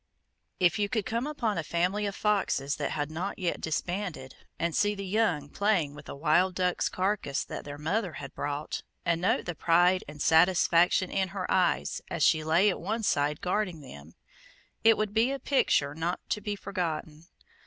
If you could come upon a family of foxes that had not yet disbanded, and see the young playing with a wild duck's carcass that their mother had brought, and note the pride and satisfaction in her eyes as she lay at one side guarding them, it would be a picture not to be forgotten.